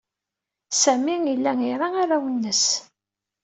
Sami yella ira arraw-nnes.